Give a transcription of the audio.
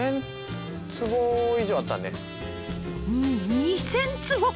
に２，０００坪！？